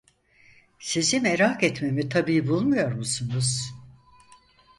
Sizi merak etmemi tabii bulmuyor musunuz?